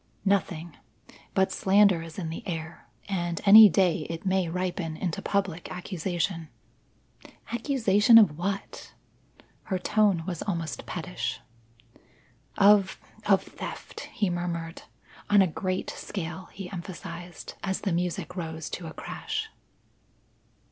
"Nothing. But slander is in the air, and any day it may ripen into public accusation." "Accusation of what?" Her tone was almost pettish. "Of of theft," he murmured. "On a great scale," he emphasized, as the music rose to a crash.